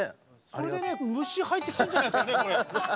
それでね虫入ってきたんじゃないですかね？